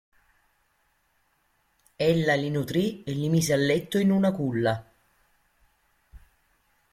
Ella li nutrì e li mise a letto in una culla.